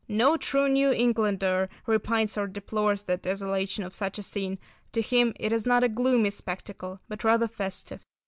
No true New Englander repines or deplores the desolation of such a scene; to him it is not a gloomy spectacle, but rather festive.